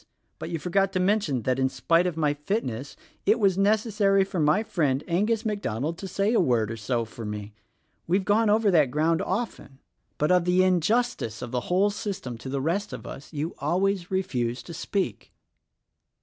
but you forget to men tion that in spite of my fitness it was necessary for my friend Angus MacDonald to say a word or so for me. We've gone over that ground often; but of the injustice 16 THE RECORDING ANGEL of the whole system to the rest of us, you always refuse to speak."